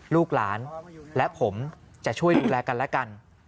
ลูกหลานและผมจะช่วยดูแลกันและกัน